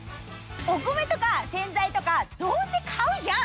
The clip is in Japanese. お米とか洗剤とかどうせ買うじゃん！